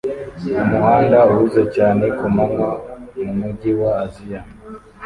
Umuhanda uhuze cyane kumanywa mumujyi wa Aziya